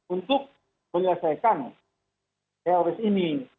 untuk menyelesaikan teroris ini